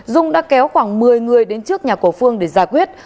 dung đã kéo khoảng một mươi người đến trước nhà của phương để giải quyết